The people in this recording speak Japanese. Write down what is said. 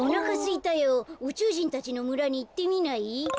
うちゅうじんたちのむらにいってみない？